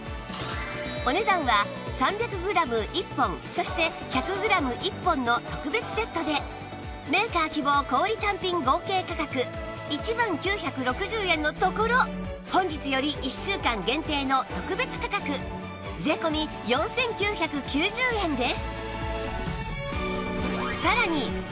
お値段は３００グラム１本そして１００グラム１本の特別セットでメーカー希望小売単品合計価格１万９６０円のところ本日より１週間限定の特別価格税込４９９０円です